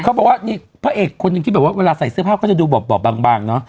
เค้าบอกว่าพระเอกคนยังคิดว่าเวลาใส่เสื้อภาพก็จะดูบอกบางเนาะ